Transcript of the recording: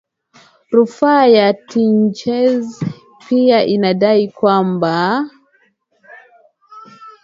Rufaa ya Tchize pia inadai kwamba